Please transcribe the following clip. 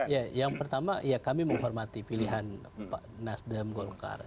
ya yang pertama ya kami menghormati pilihan pak nasdem golkar